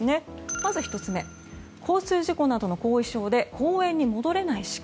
まず１つ目交通事故などの後遺症で公園に戻れないシカ。